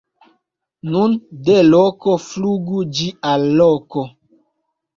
Nun de loko flugu ĝi al loko...